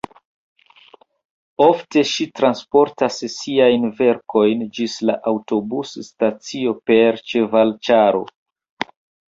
Ofte ŝi transportas siajn verkojn ĝis la aŭtobus-stacio per ĉevalĉaro.